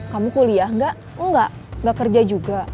kamu kuliah gak enggak gak kerja juga